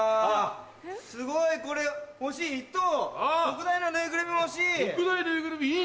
すごいこれ欲しい１等・特大のぬいぐるみ欲しい！